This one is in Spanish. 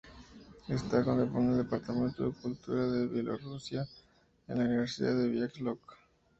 Esta con el Departamento de Cultura de Bielorrusia, en la "Universidad de Białystok".